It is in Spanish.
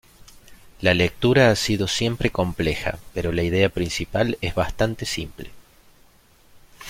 La lectura ha sido siempre compleja, pero la idea principal es bastante simple.